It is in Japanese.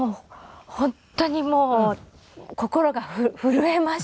本当にもう心が震えまして。